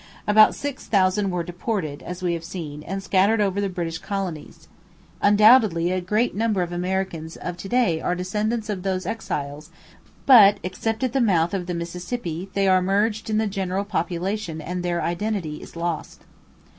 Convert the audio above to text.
About six thousand were deported, as we have seen, and scattered over the British colonies. Undoubtedly a great number of Americans of to day are descendants of those exiles, but, except at the mouth of the Mississippi, they are merged in the general population and their identity is lost.